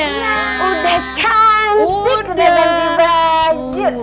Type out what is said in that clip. udah cantik deh benti baju